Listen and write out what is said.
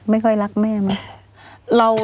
ไม่ค่อยรักแม่มั้ง